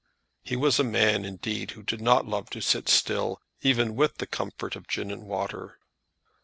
He was a man, indeed, who did not love to sit still, even with the comfort of gin and water.